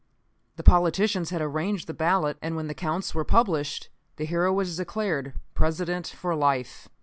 The politicians had arranged the ballot, and when the counts were published, the hero was declared President for life.